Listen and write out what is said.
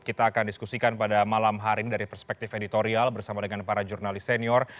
kita akan diskusikan pada malam hari ini dari perspektif editorial bersama dengan para jurnalis senior